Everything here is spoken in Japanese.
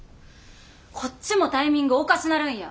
こっちもタイミングおかしなるんや。